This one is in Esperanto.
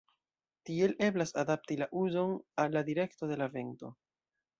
Tiel eblas adapti la uzon al la direkto de la vento.